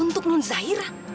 untuk nun zahira